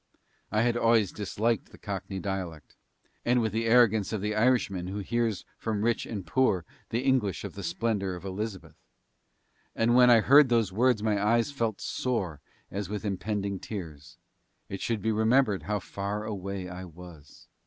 I had always disliked the Cockney dialect and with the arrogance of the Irishman who hears from rich and poor the English of the splendour of Elizabeth; and yet when I heard those words my eyes felt sore as with impending tears it should be remembered how far away I was.